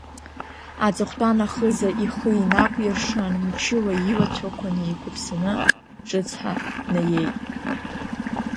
Аҵыхәтәан ахыза ихы инакәиршан, мчыла илацәақәа неиқәыԥсаны, ҿыцха днаиеит.